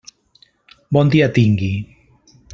Bon dia tingui.